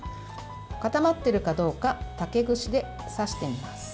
固まっているかどうか竹串で刺してみます。